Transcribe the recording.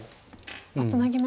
ツナぎましたね。